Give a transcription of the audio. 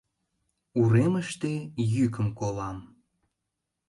Уремыште йӱкым колам: